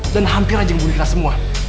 dan hampir aja yang bunuh kita semua